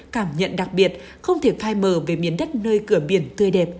cảm nhận đặc biệt không thể phai mờ về miền đất nơi cửa biển tươi đẹp